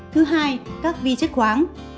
thứ hai các vi chất khoáng